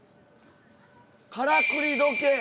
からくり時計。